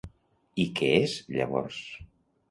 I què és, llavors?